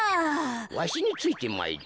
わしについてまいれ。